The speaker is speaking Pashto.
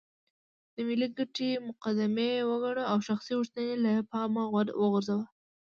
د ملي ګټې مقدمې وګڼو او شخصي غوښتنې له پامه وغورځوو.